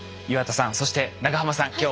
岩田さんそして長濱さん